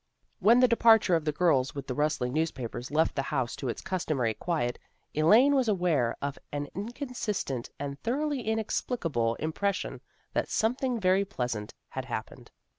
When the departure of the girls with the rustling newspapers left the house to its cus tomary quiet, Elaine was aware of an in consistent, and thoroughly inexplicable im pression that something very pleasant had hap pened.